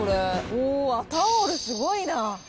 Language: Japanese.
おー、タオル、すごいな。